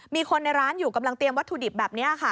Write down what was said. มีคนในร้านอยู่กำลังเตรียมวัตถุดิบแบบนี้ค่ะ